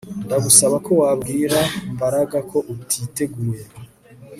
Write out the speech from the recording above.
Ndagusaba ko wabwira Mbaraga ko utiteguye